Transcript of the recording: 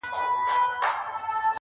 دوې کښتۍ مي وې نجات ته درلېږلي!.